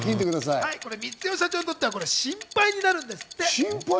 光代社長にとっては心配になるんですって。